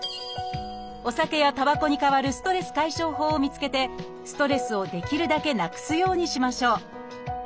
お酒やたばこに代わるストレス解消法を見つけてストレスをできるだけなくすようにしましょう。